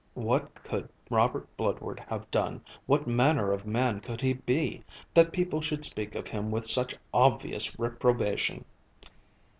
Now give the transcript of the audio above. What could Robert Bludward have done, what manner of man could he be, that people should speak of him with such obvious reprobation?